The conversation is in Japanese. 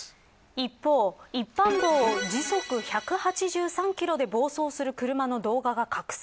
一方、一般道を時速１８３キロで暴走する車の動画が拡散。